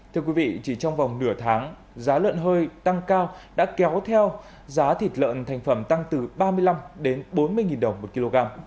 thưa quý vị chỉ trong vòng nửa tháng giá lợn hơi tăng cao đã kéo theo giá thịt lợn thành phẩm tăng từ ba mươi năm đến bốn mươi đồng một kg